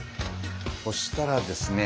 そしたらですね